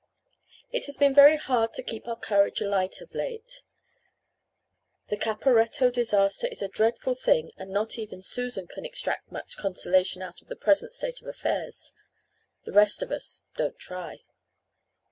It has been very hard to keep our courage alight of late. The Caporetto disaster is a dreadful thing and not even Susan can extract much consolation out of the present state of affairs. The rest of us don't try.